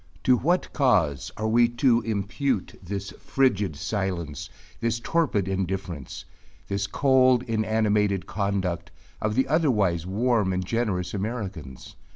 To what cause are we to impute this frigid silence this torpid indifference this cold inanimated conduct of the otherwise warm and generous Americans?